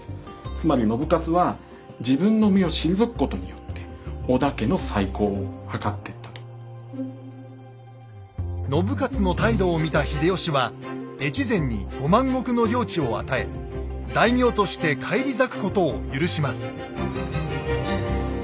つまり信雄の態度を見た秀吉は越前に５万石の領地を与え大名として返り咲くことを許します。